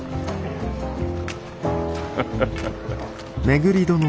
ハハハハ。